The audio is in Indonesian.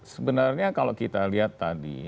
sebenarnya kalau kita lihat tadi